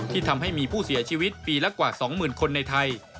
ทำให้มีผู้เสียชีวิตปีละกว่า๒๐๐๐คนในไทย